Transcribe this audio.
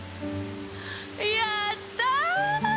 やった！